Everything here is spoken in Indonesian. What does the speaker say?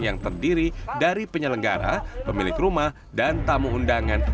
yang terdiri dari penyelenggara pemilik rumah dan tamu undangan